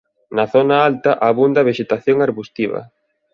Na zona alta abunda a vexetación arbustiva.